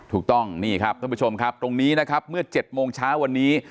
ถูกต้องนี่ครับท่านผู้ชมครับตรงนี้นะครับเมื่อ๗โมงเช้าวันนี้